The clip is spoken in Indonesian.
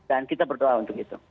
dan kita berdoa untuk itu